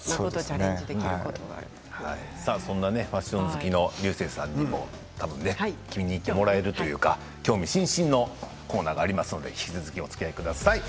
そんなファッション好きの竜星さんにも気に入ってもらえるというか興味津々のコーナーがありますので引き続きおつきあいください。